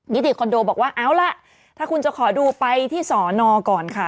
ติคอนโดบอกว่าเอาล่ะถ้าคุณจะขอดูไปที่สอนอก่อนค่ะ